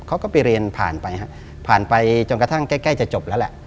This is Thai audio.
เขาก็ไปเรียนผ่านไปฮะผ่านไปจนกระทั่งใกล้จะจบแล้วแหละ